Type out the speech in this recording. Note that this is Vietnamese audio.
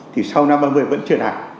thì sau năm hai nghìn ba mươi vẫn trở lại